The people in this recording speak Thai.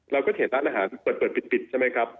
เราก็เห็นเปิดปิดใช่มั้ยครับ